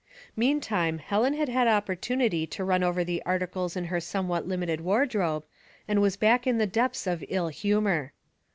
Meantime Helen had had opportunity to run over the articles in her somewhat limited ward robe, and was back in the depths of ill humor.